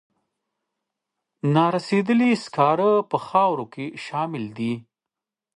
نارسیدلي سکاره په خاورو کې شاملې دي.